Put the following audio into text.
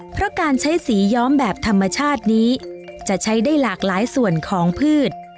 เพราะการใช้สีย้อมแบบธรรมชาตินี้จะใช้ได้หลากหลายส่วนของพืช